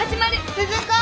・鈴子！